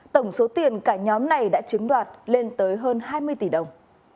tổng số tiền cả nhóm này đã chiếm đoạt lên tới hơn hai mươi tỷ đồng